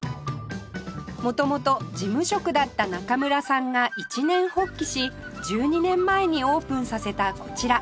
元々事務職だった中村さんが一念発起し１２年前にオープンさせたこちら